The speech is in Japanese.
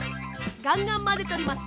ガンガンまぜております。